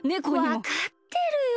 わかってるよ。